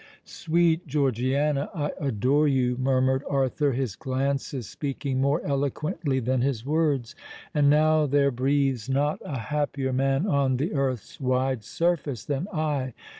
"Sweet Georgiana, I adore you!" murmured Arthur, his glances speaking more eloquently than his words. "And now there breathes not a happier man on the earth's wide surface than I.